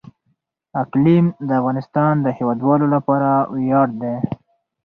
اقلیم د افغانستان د هیوادوالو لپاره ویاړ دی.